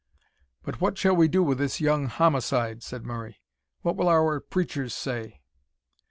"But what shall we do with this young homicide?" said Murray; "what will our preachers say?"